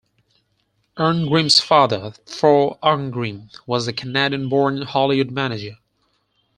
Arngrim's father, Thor Arngrim, was a Canadian-born Hollywood manager.